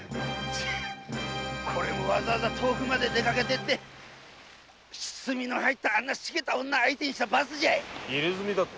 これもわざわざ遠くまで出かけてってスミの入ったあんなシケた女を相手にした罰じゃい入れ墨だと？